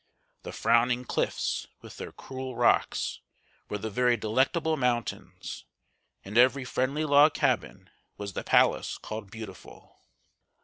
The frowning cliffs, with their cruel rocks, were the very Delectable Mountains; and every friendly log cabin was the Palace called Beautiful.